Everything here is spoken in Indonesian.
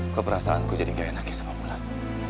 kok perasaanku jadi gak enak ya sama bulan